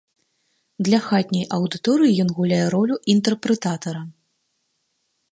Для хатняй аўдыторыі ён гуляе ролю інтэрпрэтатара.